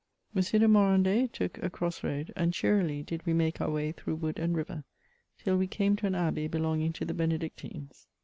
"* M. de Morandais took a cross road, and cheerily did we make our way through wood and river, till we came to an Abbey belonging to the Benedictines.